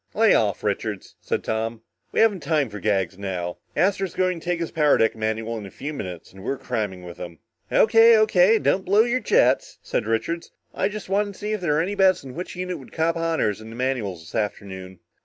"Lay off, Richards," said Tom. "We haven't time for gags now. Astro's going to take his power deck manual in a few minutes and we're cramming with him." "O.K. O.K. don't blow your jets," said Richards. "I just wanted to see if there were any bets on which unit would cop honors in the manuals this afternoon."